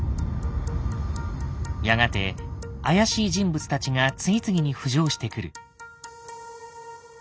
やがて怪しい人物たちが次々に浮上してくる。